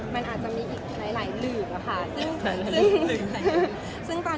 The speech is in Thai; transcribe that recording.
มันอาจจะมีอีกหลายหลายหลื่นนะคะ